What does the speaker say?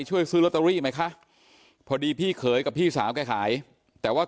ช่วยซื้อลอตเตอรี่ไหมคะพอดีพี่เขยกับพี่สาวแกขายแต่ว่า